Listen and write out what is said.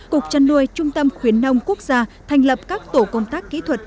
cục trăn nuôi trung tâm khuyến nông quốc gia thành lập các tổ công tác kỹ thuật